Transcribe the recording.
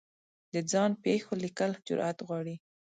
د ځان پېښو لیکل جرعت غواړي.